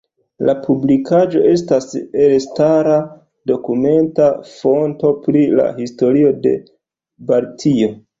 La publikaĵo estas elstara dokumenta fonto pri la historio de Baltio.